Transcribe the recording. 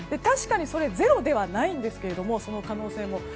確かにゼロではないんですがその可能性も。